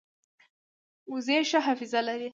وزې ښه حافظه لري